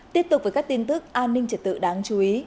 tiếp tục với các tin tức an ninh trật tự đáng chú ý